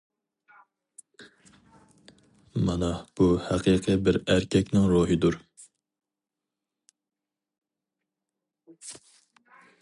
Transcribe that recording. مانا بۇ ھەقىقىي بىر ئەركەكنىڭ روھىدۇر.